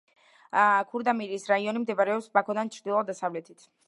ქურდამირის რაიონი მდებარეობს ბაქოდან ჩრდილო-დასავლეთით.